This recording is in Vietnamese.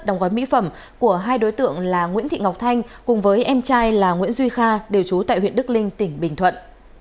đồng gói mỹ phẩm của hai đối tượng là nguyễn thị ngọc thanh cùng với em trai là nguyễn duy kha đều trú tại huyện đức linh tỉnh bình thuận